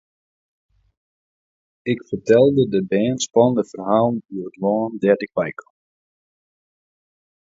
Ik fertelde de bern spannende ferhalen oer it lân dêr't ik wei kaam.